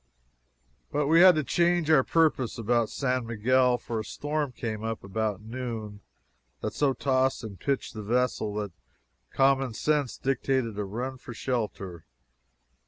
But we had to change our purpose about San Miguel, for a storm came up about noon that so tossed and pitched the vessel that common sense dictated a run for shelter.